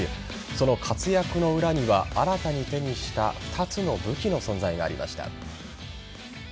その活躍の裏には新たに手にした２つの武器の存在がありました。